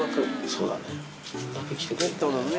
そうだね。